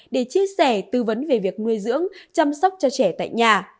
để chia sẻ tư vấn về việc nuôi dưỡng chăm sóc cho trẻ tại nhà